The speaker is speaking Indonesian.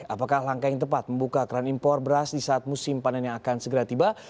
apakah langkah yang tepat membuka keran impor beras di saat musim panen yang akan segera tiba